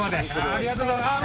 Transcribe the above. ありがとうございます。